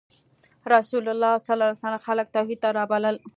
رسول الله ﷺ خلک توحید ته رابلل.